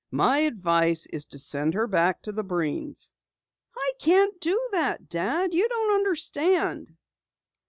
"My advice is to send her back to the Breens." "I can't do that, Dad. You don't understand."